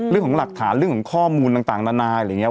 เรื่องของหลักฐานเรื่องของข้อมูลต่างนานาอะไรอย่างนี้